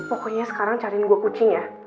pokoknya sekarang cariin gue kucing ya